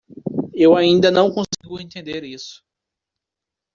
Eu ainda não consigo entender isso.